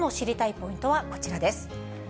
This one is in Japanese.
ポイントはこちらです。